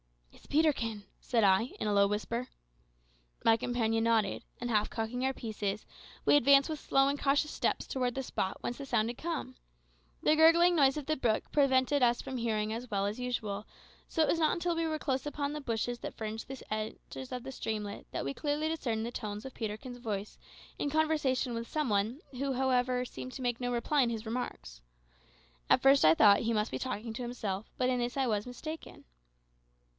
"It's Peterkin," said I, in a low whisper. My companion nodded, and half cocking our pieces, we advanced with slow and cautious steps towards the spot whence the sound had come. The gurgling noise of the brook prevented us from hearing as well as usual, so it was not until we were close upon the bushes that fringed the banks of the streamlet that we clearly discerned the tones of Peterkin's voice in conversation with some one, who, however, seemed to make no reply to his remarks. At first I thought he must be talking to himself, but in this I was mistaken.